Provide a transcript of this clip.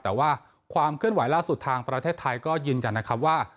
แต่ว่าความเคลื่อนไหวล่าสุดทางประเทศไทยก็ยืนยันนะครับว่า